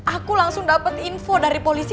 aku langsung dapat info dari polisi